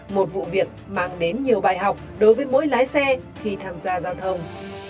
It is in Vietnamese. một vụ việc mang đến nhiều bài học đối với mỗi lái xe khi tham gia giao thông